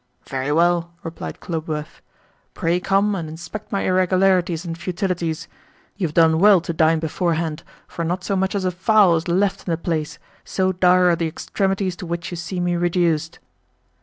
"Very well," replied Khlobuev. "Pray come and inspect my irregularities and futilities. You have done well to dine beforehand, for not so much as a fowl is left in the place, so dire are the extremities to which you see me reduced."